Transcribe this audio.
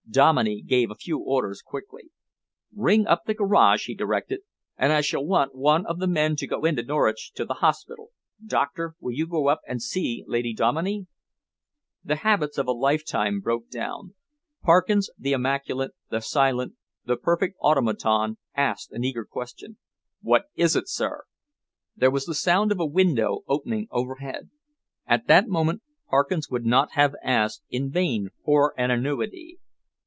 Dominey gave a few orders quickly. "Ring up the garage," he directed, "and I shall want one of the men to go into Norwich to the hospital. Doctor, will you go up and see Lady Dominey?" The habits of a lifetime broke down. Parkins, the immaculate, the silent, the perfect automaton, asked an eager question. "What is it, sir?" There was the sound of a window opening overhead. At that moment Parkins would not have asked in vain for an annuity.